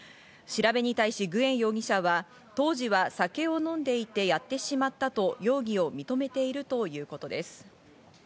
調べに対しグエン容疑者は当時は酒を飲んでいてやってしまったと容疑を認めているということです。